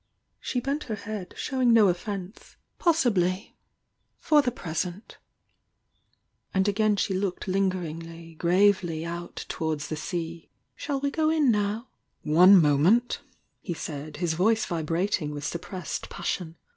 She bent her head, showing no offence. "Possibly! For the present." And again she !l THE YOUNG DIANA 261 }f^u*^ ''"»^l"8'y gravely out towards the sea. "Shall we go in now?" "One moment I" he said, his voice vibrating with juppressed passion.